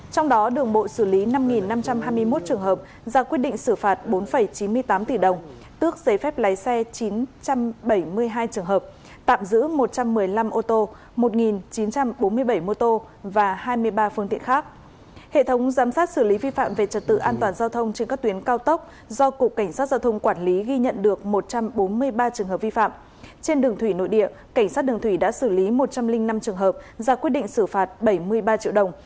trong đó đường bộ xử lý năm năm trăm hai mươi một trường hợp ra quyết định xử phạt bốn chín mươi tám tỷ đồng